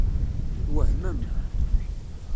Twehmem.